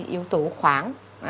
yếu tố khoáng